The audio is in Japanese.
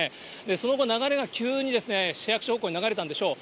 その後、流れが急に市役所方向に流れたんでしょう。